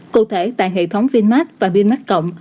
cụ thể tại hệ thống vinmax và vinmax cộng